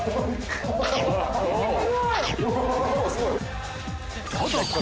すごい。